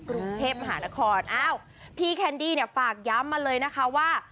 กรุงเทพมหานครอ้าวพี่แคนดี้เนี่ยฝากย้ำมาเลยนะคะว่า